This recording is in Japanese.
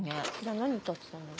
何歌ってたんだろ？